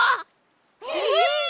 えっ！